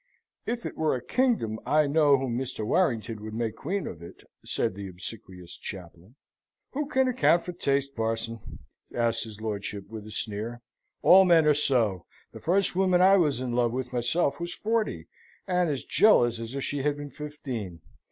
"If it were a kingdom I know whom Mr. Warrington would make queen of it," said the obsequious chaplain. "Who can account for taste, parson?" asks his lordship, with a sneer. "All men are so. The first woman I was in love with myself was forty; and as jealous as if she had been fifteen.